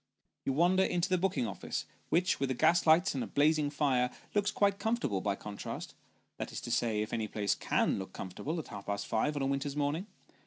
You wander into the booking office, which with the gas lights and blazing fire, looks quite comfortable by contrast that is to say, if any place can look comfortable at half past five on a winter's morning.